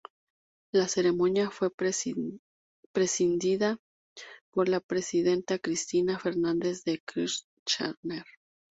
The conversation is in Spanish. La ceremonia fue presidida por la Presidenta Cristina Fernández de Kirchner.